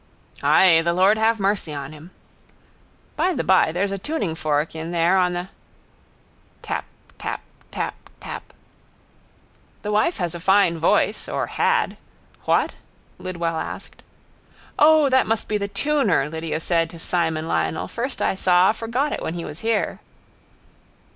—Ay, the Lord have mercy on him. —By the bye there's a tuningfork in there on the... Tap. Tap. Tap. Tap. —The wife has a fine voice. Or had. What? Lidwell asked. —O, that must be the tuner, Lydia said to Simonlionel first I saw, forgot it when he was here.